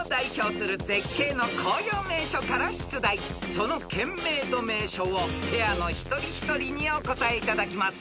［その県名と名所をペアの一人一人にお答えいただきます］